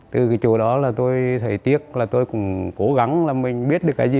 từ cái chỗ đó là tôi thấy tiếc là tôi cũng cố gắng là mình biết được cái gì